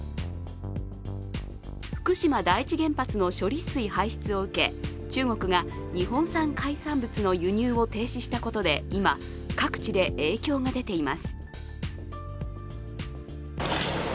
福島第一原発の処理水排出を受け、中国が日本産海産物の輸入を停止したことで今、各地で影響が出ています。